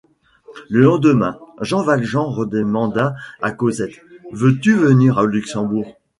Le lendemain Jean Valjean redemanda à Cosette: — Veux-tu venir au Luxembourg?